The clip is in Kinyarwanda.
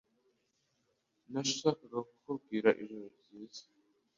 Nashakaga kukubwira ijoro ryiza.